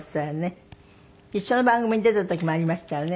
一緒の番組に出た時もありましたよね